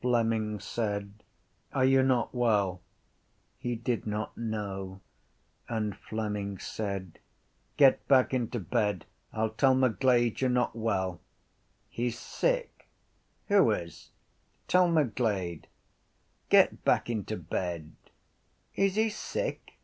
Fleming said: —Are you not well? He did not know; and Fleming said: —Get back into bed. I’ll tell McGlade you’re not well. —He’s sick. —Who is? —Tell McGlade. —Get back into bed. —Is he sick?